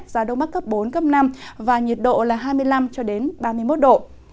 giá đông bắc cấp bốn cấp năm và nhiệt độ là hai mươi năm ba mươi một độ